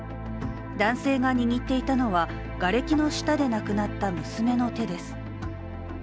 男性が握っていたのはがれきの下で亡くなった娘の手です。